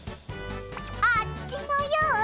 あっちのような。